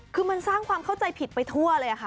คือมันสร้างความเข้าใจผิดไปทั่วเลยค่ะ